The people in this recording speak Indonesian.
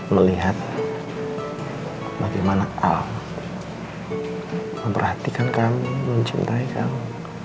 melihat bagaimana al memperhatikan kamu mencintai kamu